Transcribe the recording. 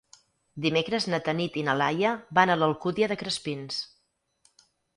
Dimecres na Tanit i na Laia van a l'Alcúdia de Crespins.